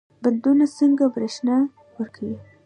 بندونه څنګه برښنا ورکوي؟